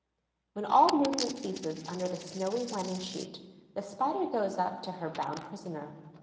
When all movement ceases under the snowy winding sheet, the Spider goes up to her bound prisoner.